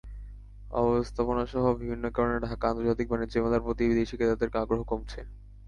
অব্যবস্থাপনাসহ বিভিন্ন কারণে ঢাকা আন্তর্জাতিক বাণিজ্য মেলার প্রতি বিদেশি ক্রেতাদের আগ্রহ কমছে।